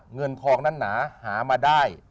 เงินทองนั้นหนาหามาได้